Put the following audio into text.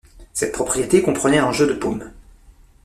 Cette propriété comprenait un jeu de paume.